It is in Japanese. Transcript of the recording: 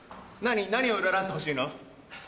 何を占ってほしいの？